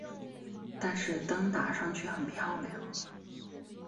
但是灯打上去很漂亮